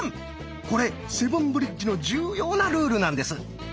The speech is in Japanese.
これ「セブンブリッジ」の重要なルールなんです。